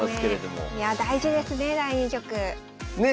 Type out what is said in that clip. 大事ですね